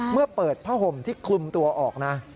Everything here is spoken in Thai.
เมื่อเปิดผ้าห่มที่คลุมตัวออกนะ